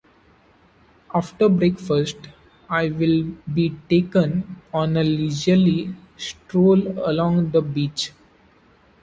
After breakfast, I will be taken on a leisurely stroll along the beach.